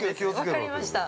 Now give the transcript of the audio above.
◆分かりました。